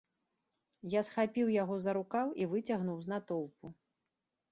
Я схапіў яго за рукаў і выцягнуў з натоўпу.